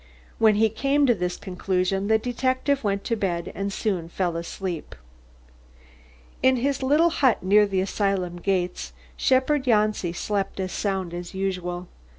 When he came to this conclusion, the detective went to bed and soon fell asleep. In his little hut near the asylum gates, shepherd Janci slept as sound as usual.